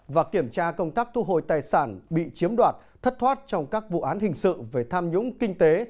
và kiểm tra công tác thu hồi tài sản bị chiếm đoạt thất thoát trong các vụ án hình sự về tham nhũng kinh tế